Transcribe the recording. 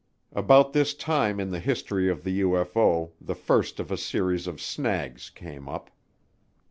About this time in the history of the UFO the first of a series of snags came up.